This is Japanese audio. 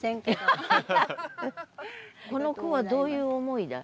この句はどういう思いで？